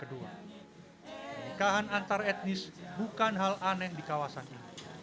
pernikahan antar etnis bukan hal aneh di kawasan ini